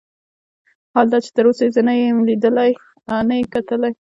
حال دا چې تر اوسه یې زه نه لیدلی یم او نه یې کتلی.